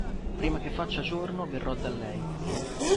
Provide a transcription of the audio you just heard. Prima che faccia giorno, verrò da lei.